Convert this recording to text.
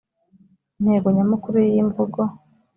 intego nyamukuru y iyi mvugo